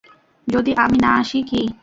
যদি আমি না আসি - কী?